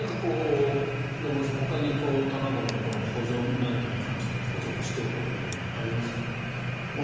信岡さん、ほかに卵の保存なんかに関して補足しておくことはありますか？